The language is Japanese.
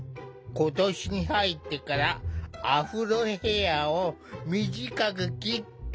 今年に入ってからアフロヘアを短く切った。